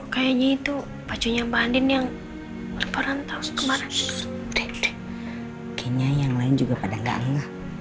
kayaknya yang lain juga pada gak nganggap